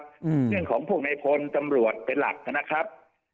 เรื่องของพวกในพลตำรวจเป็นหลักนะครับ